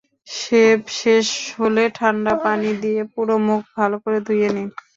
Shave শেষ হলে ঠান্ডা পানি দিয়ে পুরো মুখ ভালো করে ধুয়ে নিন।